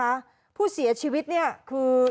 นะคะผู้เสียชีวิตเนี่ยคือ